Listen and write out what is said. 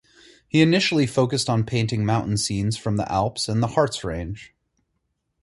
He initially focused on painting mountain scenes from the Alps and the Harz range.